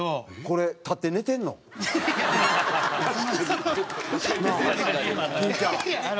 これ立って寝てんの？なあ？